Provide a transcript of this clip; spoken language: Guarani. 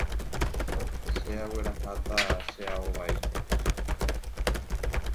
Che aguerahata che ao vai.